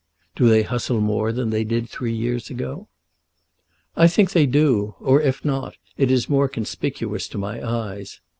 "Do they hustle more than they did three years ago?" "I think they do, or if not it is more conspicuous to my eyes.